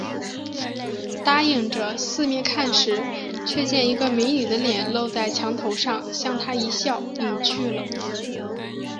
答应着，四面看时，却见一个美女的脸露在墙头上，向他一笑，隐去了